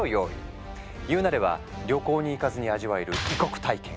言うなれば旅行に行かずに味わえる異国体験。